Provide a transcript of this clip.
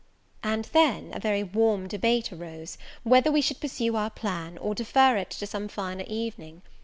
And then a very warm debate arose, whether we should pursue our plan, or defer it to some finer evening.